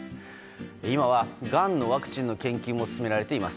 今はがんのワクチンの研究も進められています。